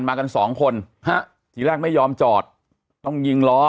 มากันสองคนฮะทีแรกไม่ยอมจอดต้องยิงล้อ